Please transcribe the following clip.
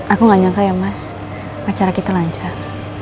aku gak nyangka ya mas acara kita lancar